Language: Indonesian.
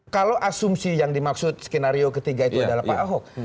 kalau asumsi yang dimaksud skenario ketiga itu adalah pak ahok